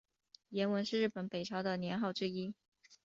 延文是日本北朝的年号之一。